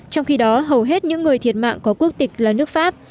trong khi đó hầu hết những người thiệt mạng có quốc tịch là nước pháp